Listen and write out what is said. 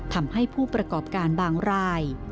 ทำให้ผู้ประกอบการบางราย